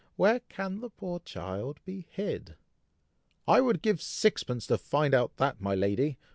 Where can the poor child be hid?" "I would give sixpence to find out that, my lady!"